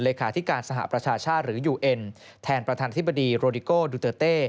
เลขาธิการสหประชาชาติหรือยูเอ็นแทนประธานธิบดีโรดิโก้ดูเตอร์เต้